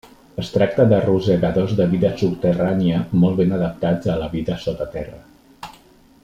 Es tracta de rosegadors de vida subterrània molt ben adaptats a la vida sota terra.